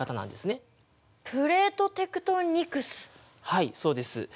はいそうです。